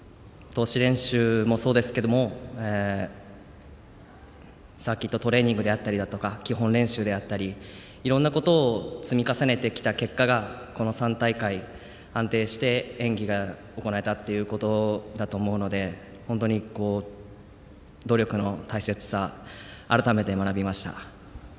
通し練習もそうですけどサーキットトレーニングだったり基本練習だったりいろんなことを積み重ねてきた結果がこの３大会安定して演技が行えたっていうことだと思うので本当に、努力の大切さを改めて学びました。